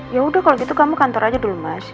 ya udah kalau gitu kamu kantor aja dulu mas